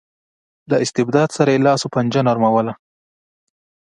له استبداد سره یې لاس و پنجه نرموله.